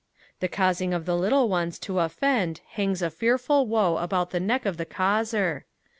The causing of the little ones to offend hangs a fearful woe about the neck of the causer.